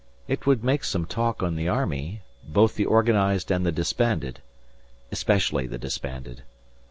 It would make some talk in the army, both the organised and the disbanded. Especially the disbanded.